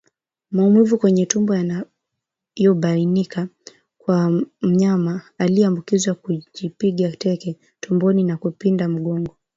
Maumivu kwenye tumbo yanayobainika kwa mnyama aliyeambukizwa kujipiga teke tumboni na kupinda mgongo